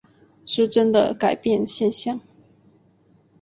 失真的改变现象。